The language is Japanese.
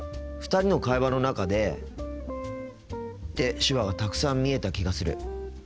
２人の会話の中でって手話がたくさん見えた気がする。